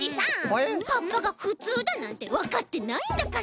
はっぱがふつうだなんてわかってないんだから。